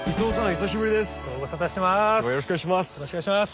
よろしくお願いします。